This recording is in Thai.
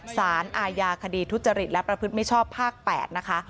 สารอาญาคดีทุจริตและประพฤติมิชชอบภาค๘นะคะ